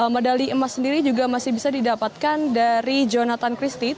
medali emas sendiri juga masih bisa didapatkan dari jonathan christie